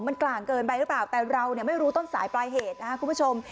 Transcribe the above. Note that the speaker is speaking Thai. มันกลางเกินไปหรือเปล่าแต่เราเนี่ยไม่รู้ต้นสายปลายเหตุนะครับคุณผู้ชม